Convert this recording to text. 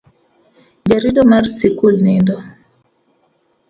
Jarito mar sikul nindo.